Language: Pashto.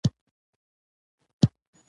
قبر په سمېټو جوړ شوی دی.